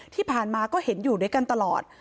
ที่ผ่านมาก็เห็นอยู่ด้วยกันตลอด